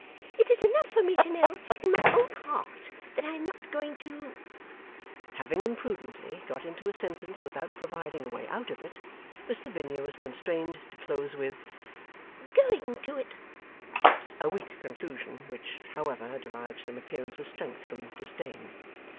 It is enough for me to know in my own heart that I am not going to ' having imprudently got into a sentence without providing a way out of it, Miss Lavinia was constrained to close with 'going to it'. A weak conclusion which, however, derived some appearance of strength from disdain.